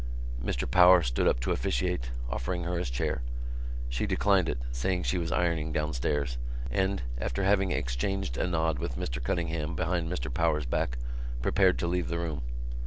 Mr Power stood up to officiate, offering her his chair. She declined it, saying she was ironing downstairs, and, after having exchanged a nod with Mr Cunningham behind Mr Power's back, prepared to leave the room.